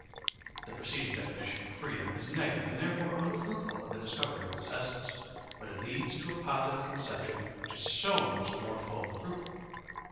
The preceding definition of freedom is negative and therefore unfruitful for the discovery of its essence, but it leads to a positive conception which is so much the more full and fruitful.